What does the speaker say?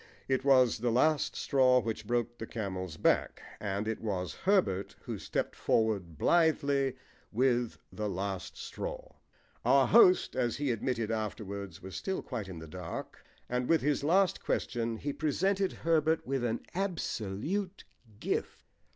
It was the last straw which broke the camel's back, and it was Herbert who stepped forward blithely with the last straw. Our host, as he admitted afterwards, was still quite in the dark, and with his last question he presented Herbert with an absolute gift.